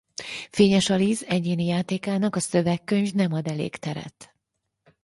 Fényes Alice egyéni játékának a szövegkönyv nem ad elég teret.